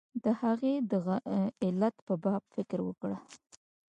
د هغې د علت په باب فکر وکړه.